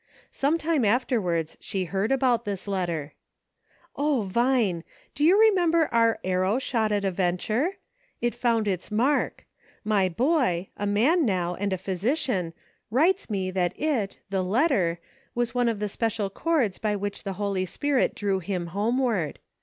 Sometime afterwards she heard about this letter :" O Vine ! you remember our ' arrow shot at a venture '? It found its mark. My boy, a man now, and a physician, writes me that it, the letter, was one of the special cords by which the Holy Spirit drew him homeward.